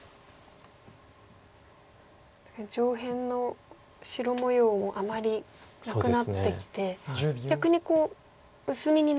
確かに上辺の白模様もあまりなくなってきて逆に薄みになってきてしまったような。